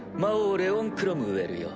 レオン・クロムウェルよ。